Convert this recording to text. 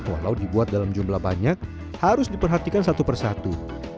walau dibuat dalam jumlah banyak harus diperhatikan satu persatu